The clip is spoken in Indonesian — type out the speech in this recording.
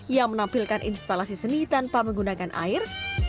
yang menampilkan instalasi seni tanpa menggunakan air